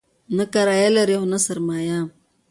نه کرايه لري او نه سرمایه.